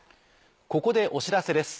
ここでお知らせです。